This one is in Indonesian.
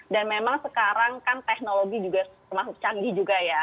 dan memang sekarang kan teknologi juga semangat canggih juga ya